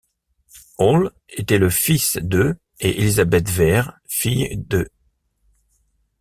Holles était le fils de et Elizabeth Vere, fille d'.